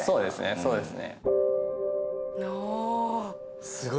そうですね。